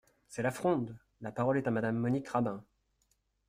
C’est la fronde ! La parole est à Madame Monique Rabin.